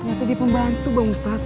ternyata dia pembantu bang ustadz